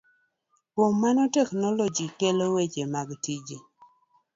Kuom mano teknoloji kelo weche mag tije.